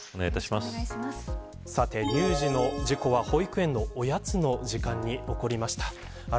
さて、乳児の事故は保育園のおやつの時間に起こりました。